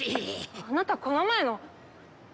あなたこの前の！